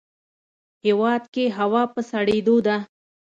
هیواد کې هوا په سړیدو ده